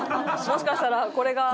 もしかしたらこれが。